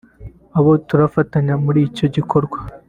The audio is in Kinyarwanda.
abo turafatanya muri icyo gikorwa